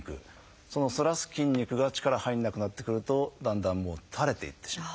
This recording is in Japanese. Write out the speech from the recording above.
その反らす筋肉が力入らなくなってくるとだんだん垂れていってしまう。